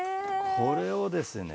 これをですね